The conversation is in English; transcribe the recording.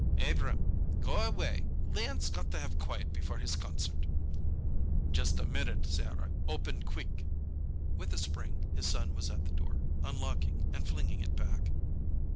"Abrahm, go away! Leon's got to have quiet before his concert." "Just a minute, Sarah. Open quick!" With a spring his son was at the door, unlocking and flinging it back.